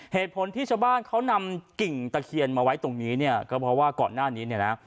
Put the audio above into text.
เหตุผลที่ชาวบ้านเขานำกิ่งตะเคียนมาไว้ตรงนี้เนี่ยก็เพราะว่าก่อนหน้านี้เนี่ยนะ